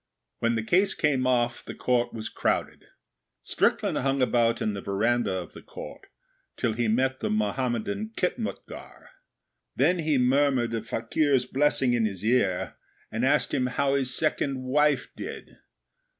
When the case came off the Court was crowded. Strickland hung about in the veranda of the Court, till he met the Mohammedan khitmutgar. Then he murmured a fakir's blessing in his ear, and asked him how his second wife did.